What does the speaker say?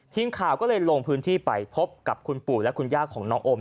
ทีมข่าวก็เลยลงพื้นที่ไปพบกับคุณปู่และคุณย่าของน้องโอม